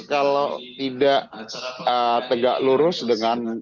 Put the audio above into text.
kalau tidak tegak lurus dengan